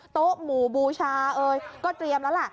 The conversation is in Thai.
โต๊ะหมู่บูชาเอ่ยก็เตรียมแล้วล่ะ